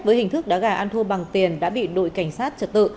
với hình thức đá gà ăn thua bằng tiền đã bị đội cảnh sát trật tự